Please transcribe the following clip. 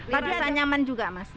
tadi saya nyaman juga mas